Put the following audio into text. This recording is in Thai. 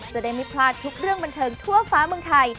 จะได้ไม่พลาดทุกเรื่องบันเทิงทั่วฟ้าเมืองไทย